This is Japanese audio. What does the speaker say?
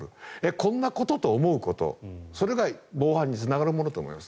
こんなこと？と思うことそれが防犯につながることだと思います。